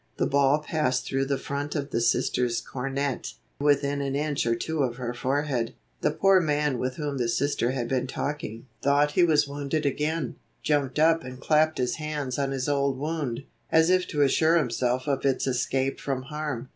The ball passed through the front of the Sister's cornette, within an inch or two of her forehead. The poor man with whom the Sister had been talking thought he was wounded again, jumped up and clapped his hands on his old wound, as if to assure himself of its escape from harm.